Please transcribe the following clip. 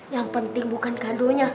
yang penting bukan kado nya